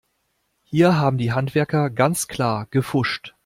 Hier haben die Handwerker ganz klar gepfuscht.